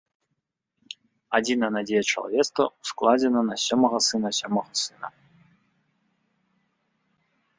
Адзіная надзея чалавецтва ўскладзена на сёмага сына сёмага сына.